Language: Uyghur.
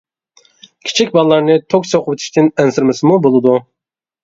كىچىك بالىلارنى توك سوقۇۋېتىشتىن ئەنسىرىمىسىمۇ بولىدۇ.